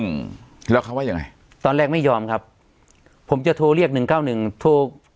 อืมแล้วเขาว่ายังไงตอนแรกไม่ยอมครับผมจะโทรเรียกหนึ่งเก้าหนึ่งโทร